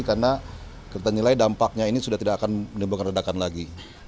karena kita nilai dampaknya ini sudah tidak akan menyebabkan redakan lagi